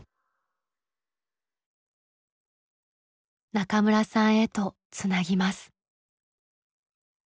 中村さんへとつなぎます。